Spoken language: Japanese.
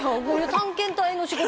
探検隊の仕事？